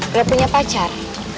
udah punya pacar